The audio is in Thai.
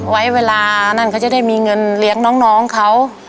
เวลานั่นเขาจะได้มีเงินเลี้ยงน้องเขา